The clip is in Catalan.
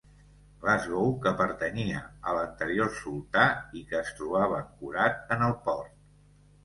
Glasgow que pertanyia a l'anterior sultà i que es trobava ancorat en el port.